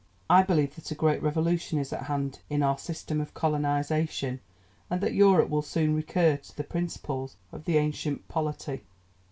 "I believe that a great revolution is at hand in our system of colonization, and that Europe will soon recur to the principles of the ancient polity."